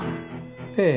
ええ。